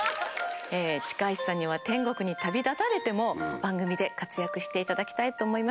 近石さんには天国に旅立たれても番組で活躍していただきたいと思います。